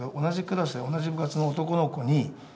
「同じクラスで同じ部活の男の子に」